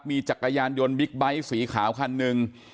มีจักรยานยนต์บิ๊กไบท์สีขาวคันหนึ่ง